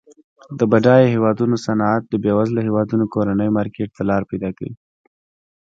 د بډایه هیوادونو صنعت د بیوزله هیوادونو کورني مارکیټ ته لار پیداکوي.